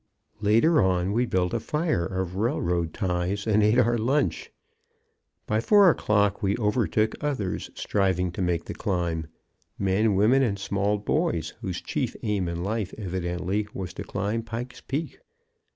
Later on we built a fire of railroad ties and ate our lunch. By four o'clock we overtook others striving to make the climb men, women and small boys, whose chief aim in life evidently was to climb Pike's Peak.